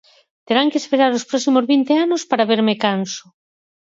Terán que esperar os próximos vinte anos para verme canso.